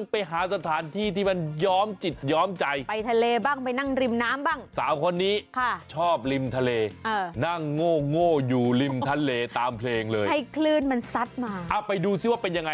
เม้าคุยแล้วเค้าจะดูเดินเล่นโบราณหวานเย็นมาเดินเล่นไปตามกันหนา